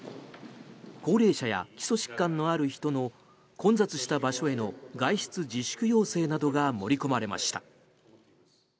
高齢者や基礎疾患のある人の混雑した場所への外出自粛要請などが盛り込まれました。